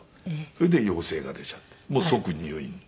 それで陽性が出ちゃってもう即入院。